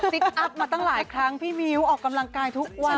พลิกอัพมาตั้งหลายครั้งพี่มิ้วออกกำลังกายทุกวัน